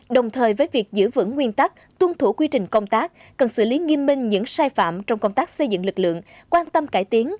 đồng thời với việc giữ vững nguyên tắc tuân thủ quy trình công tác cần xử lý nghiêm minh những sai phạm trong công tác xây dựng lực lượng quan tâm cải tiến